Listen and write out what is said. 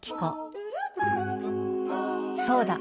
そうだ！